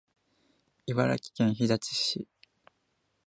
茨城県日立市